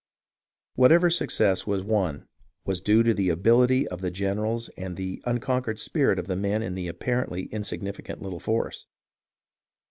Whatever success was won was due to the ability of the generals and the unconquered spirit of the men in the apparently insignificant little force.